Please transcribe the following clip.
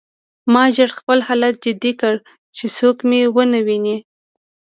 ما ژر خپل حالت جدي کړ چې څوک مې ونه ویني